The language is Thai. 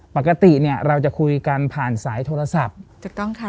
ปกติเนี่ยเราจะคุยกันผ่านสายโทรศัพท์ถูกต้องค่ะ